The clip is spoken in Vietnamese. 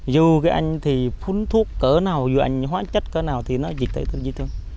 dù cái anh thì phun thuốc cỡ nào dù anh hóa chất cỡ nào thì nó dịch tới